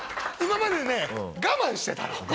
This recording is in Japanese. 今までね我慢してたの。